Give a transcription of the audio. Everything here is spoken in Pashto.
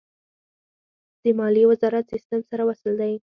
د مالیې وزارت سیستم سره وصل دی؟